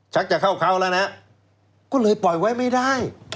จะเข้าเขาแล้วนะก็เลยปล่อยไว้ไม่ได้